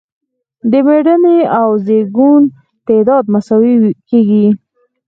د مړینې او زیږون تعداد مساوي کیږي.